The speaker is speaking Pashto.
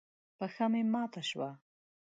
پښه مې ماته شوه.